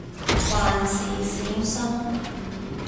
萬事小心